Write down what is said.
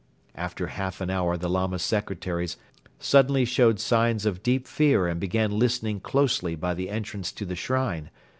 After half an hour the Lama secretaries suddenly showed signs of deep fear and began listening closely by the entrance to the shrine.